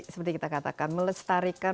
seperti kita katakan melestarikan